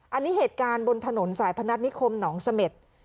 อันนี้เหตุการณ์บนถนนสายพนัฐนิคมหนองเสม็ด